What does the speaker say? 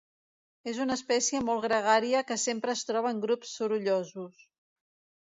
És una espècie molt gregària que sempre es troba en grups sorollosos.